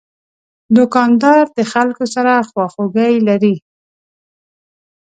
دوکاندار د خلکو سره خواخوږي لري.